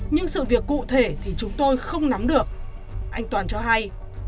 nhưng sự việc cụ thể thì chúng tôi không nắm được anh toàn cho hay